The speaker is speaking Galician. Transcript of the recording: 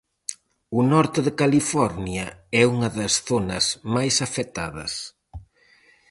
O norte de California é unha das zonas máis afectadas.